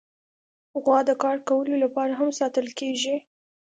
غوا د کار کولو لپاره هم ساتل کېږي.